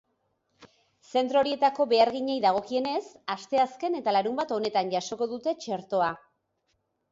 Zentro horietako beharginei dagokienez, asteazken eta larunbat honetan jasoko dute txertoa.